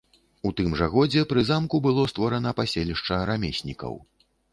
У тым жа годзе пры замку было створана паселішча рамеснікаў.